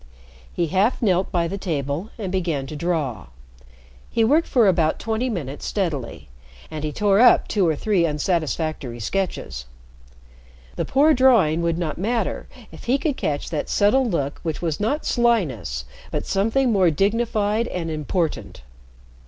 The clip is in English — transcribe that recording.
He half knelt by the table and began to draw. He worked for about twenty minutes steadily, and he tore up two or three unsatisfactory sketches. The poor drawing would not matter if he could catch that subtle look which was not slyness but something more dignified and important.